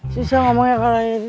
susah ngomongnya kalau tidur